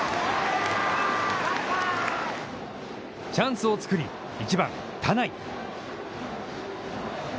チャンスを作り、１番田内。